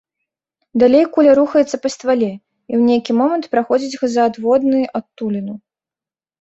Далей куля рухаецца па ствале і, у нейкі момант, праходзіць газаадводны адтуліну.